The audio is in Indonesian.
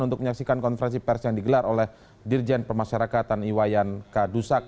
untuk menyaksikan konferensi pers yang digelar oleh dirjen permasyarakatan iwayan k dusak